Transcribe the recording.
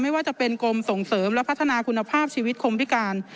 ไม่ว่าจะเป็นกรมส่งเสริมและพัฒนาคุณภาพชีวิตคนพิการ